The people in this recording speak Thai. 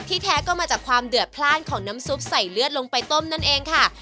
แท้ก็มาจากความเดือดพลาดของน้ำซุปใส่เลือดลงไปต้มนั่นเองค่ะ